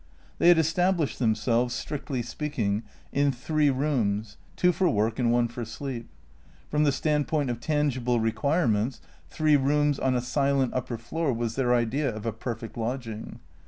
They had established themselves, strictly speaking, in three rooms, two for work and one for sleep. From the standpoint of tangible requirements, three rooms on a silent upper floor was their idea of a perfect lodging.